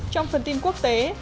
trong phần tin quốc tế